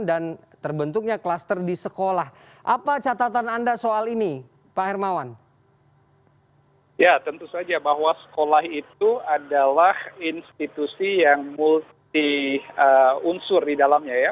ya tentu saja bahwa sekolah itu adalah institusi yang multi unsur di dalamnya ya